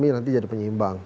nanti jadi penyeimbang